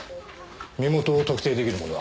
身元を特定出来るものは？